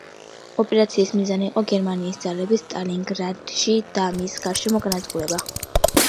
ოპერაციის მიზანი იყო გერმანიის ძალების სტალინგრადში და მის გარშემო განადგურება.